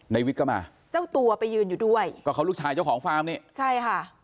วิทย์ก็มาเจ้าตัวไปยืนอยู่ด้วยก็เขาลูกชายเจ้าของฟาร์มนี่ใช่ค่ะ